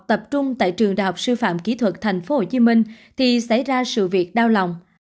tập trung tại trường đại học sư phạm kỹ thuật tp hcm thì xảy ra sự việc đau lòng